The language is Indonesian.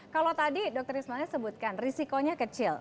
kalau tadi dokter ismail sebutkan resikonya kecil